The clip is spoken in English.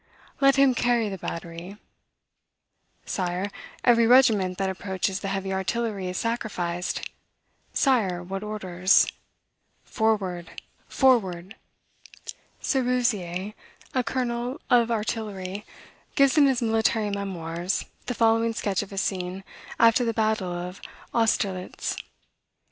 "Let him carry the battery." "Sire, every regiment that approaches the heavy artillery is sacrified: Sire, what orders?" "Forward, forward!" Seruzier, a colonel of artillery, gives, in his "Military Memoirs," the following sketch of a scene after the battle of Austerlitz.